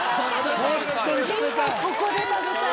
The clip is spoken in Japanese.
今ここで食べたい！